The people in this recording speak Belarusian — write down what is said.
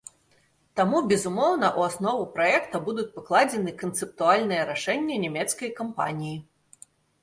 Таму, безумоўна, у аснову праекта будуць пакладзены канцэптуальныя рашэнні нямецкай кампаніі.